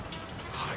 はい。